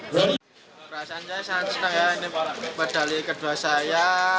perasaan saya sangat senang ya ini medali kedua saya